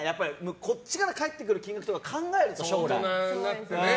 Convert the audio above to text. こっちから返ってくる金額とか考えるじゃないですか。